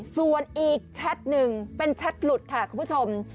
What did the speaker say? ส่วนอีกแชทหนึ่งเป็นแชทหลุดค่ะคุณผู้ชม